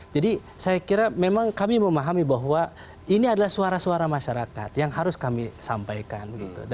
jadi saya kira memang kami memahami bahwa ini adalah suara suara masyarakat yang harus kami sampaikan